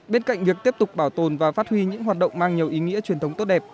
bên cạnh việc tiếp tục bảo tồn và phát huy những hoạt động mang nhiều ý nghĩa truyền thống tốt đẹp